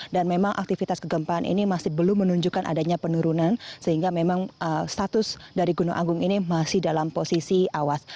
dan memang aktivitas kegempaan ini masih belum menunjukkan adanya penurunan sehingga memang status dari gunung anggung ini masih dalam posisi awas